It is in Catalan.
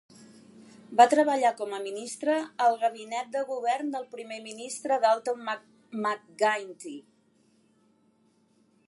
Va treballar com a ministra al gabinet de govern del primer ministre Dalton McGuinty.